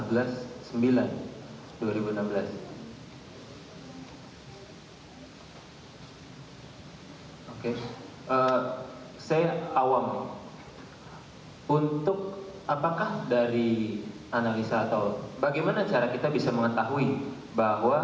hai oke saya awam untuk apakah dari analisa atau bagaimana cara kita bisa mengetahui bahwa